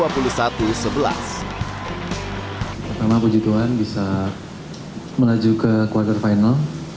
pertama puji tuhan bisa melaju ke quarter final